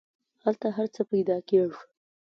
هلته هر څه پیدا کیږي.